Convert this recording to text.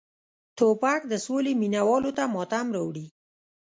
توپک د سولې مینه والو ته ماتم راوړي.